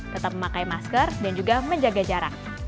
tetap memakai masker dan juga menjaga jarak